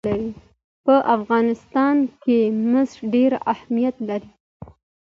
په افغانستان کې مس ډېر اهمیت لري.